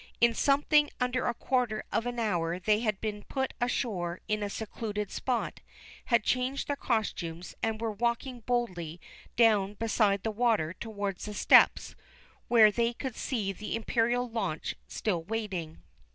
In something under a quarter of an hour they had been put ashore in a secluded spot, had changed their costumes, and were walking boldly down beside the water towards the steps where they could see the Imperial launch still waiting.